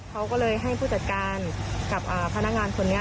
เขาก็เลยให้ผู้จัดการกับพนักงานคนนี้